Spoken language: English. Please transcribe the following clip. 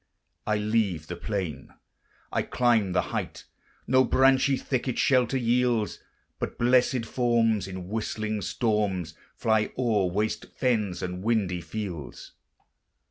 I leave the plain, I climb the height; No branchy thicket shelter yields; But blessèd forms in whistling storms Fly o'er waste fens and windy fields.